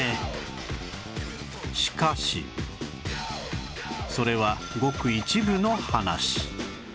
しかしそれはごく一部の話